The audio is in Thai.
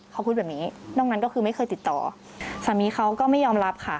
เขาพูดแบบนี้นอกนั้นก็คือไม่เคยติดต่อสามีเขาก็ไม่ยอมรับค่ะ